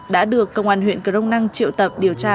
đã được công an huyện cờ rông năng triệu tập điều tra